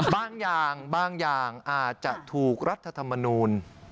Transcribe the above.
บางอย่างบางอย่างอาจจะถูกรัฐธรรมนูล